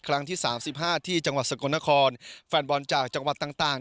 ครั้งที่สามสิบห้าที่จังหวัดสกลนครแฟนบอลจากจังหวัดต่าง